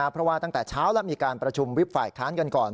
เพราะว่าตั้งแต่เช้าแล้วมีการประชุมวิบฝ่ายค้านกันก่อน